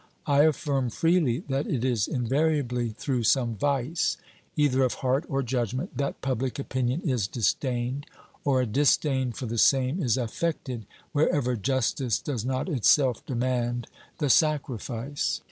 I affirm freely that it is invariably through some vice, either of heart or judgment, that public opinion is disdained, or a disdain for the same is affected, wherever justice does not itself demand the sacrifice.